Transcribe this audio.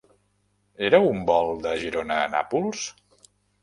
Era un vol de Girona a Nàpols?